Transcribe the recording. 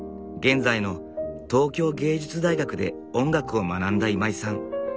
現在の東京藝術大学で音楽を学んだ今井さん。